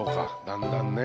だんだんね。